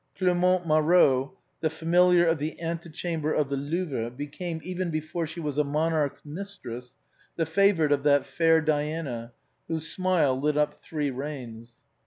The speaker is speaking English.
Clément Marot, the familiar of the ante chamber of the Louvre, became, even before she jxxiv OEIGINAL PREFACE. was a monarch's mistress, the favorite of that fair Diana, whose smile lit up three reigns.